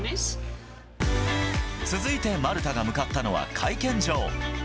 続いてマルタが向かったのは会見場。